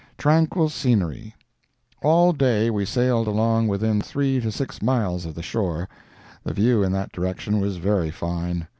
TRANQUIL SCENERY All day we sailed along within three to six miles of the shore. The view in that direction was very fine.